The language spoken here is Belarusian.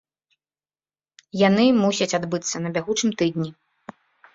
Яны мусяць адбыцца на бягучым тыдні.